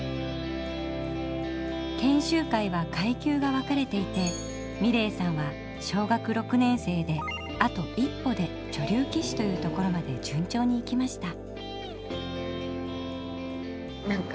研修会は階級が分かれていて美礼さんは小学６年生であと一歩で女流棋士というところまで順調に行きました。